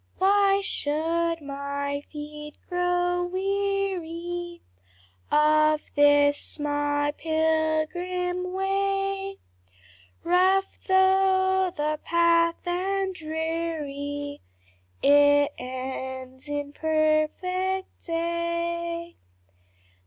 Why should my feet grow weary Of this my pilgrim way; Rough though the path and dreary It ends in perfect day.